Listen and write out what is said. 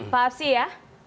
pak hapsi ya